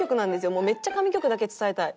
もう「めっちゃ神曲」だけ伝えたい。